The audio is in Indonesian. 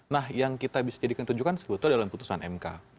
nah yang kita bisa jadikan tunjukkan sebetulnya dalam putusan mk